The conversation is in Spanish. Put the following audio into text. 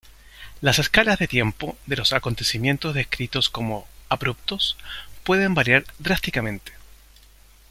Las escalas de tiempo de los acontecimientos descritos como "abruptos" pueden variar drásticamente.